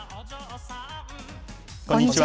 こんにちは。